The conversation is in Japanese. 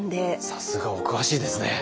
さすが！お詳しいですね。